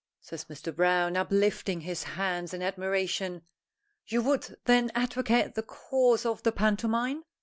says Mr. Browne, uplifting his hands in admiration. "You would, then, advocate the cause of the pantomime?"